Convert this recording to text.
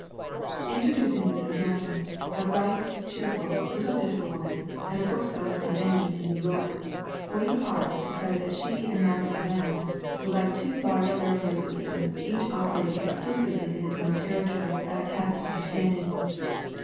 Introducing Mrs. Martin, a bright, cheerful, little bit of a woman, at a booksellers' convention in New York, William Hard declared that she and Margaret Deland were like two large railroad systems each oper ating exclusively in its own territory by a tacit under standing.